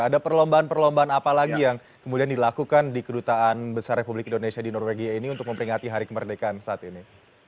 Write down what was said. ada perlombaan perlombaan apa lagi yang kemudian dilakukan di kedutaan besar republik indonesia di norwegia ini untuk memperingati hari kemerdekaan saat ini